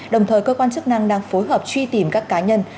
đồng thời cơ quan chức năng đang phối hợp truy tìm các cá nhân